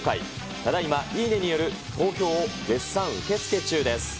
ただいま、いいねによる投票を絶賛受け付け中です。